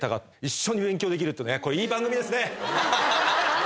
これいい番組ですね！